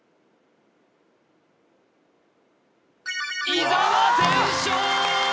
伊沢全勝！